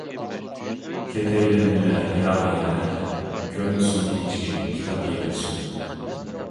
كېتەيلى بىللە يىراق يەرلەرگە كۆرمىسۇن ھېچكىم كىتاب يېپىلسۇن.